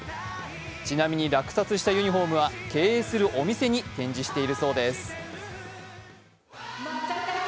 ちなみに落札したユニフォームは経営するお店に展示しているそうです。